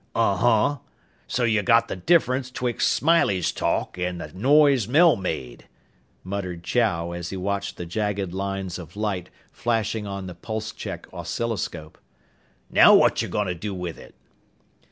"Uh huh. So you got the difference betwixt Smiley's talk an' the noise Mel made," muttered Chow as he watched the jagged lines of light flashing on the pulse check oscilloscope. "Now what're you fixin' to do with it?"